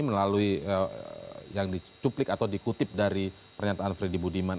melalui yang dicuplik atau dikutip dari pernyataan freddy budiman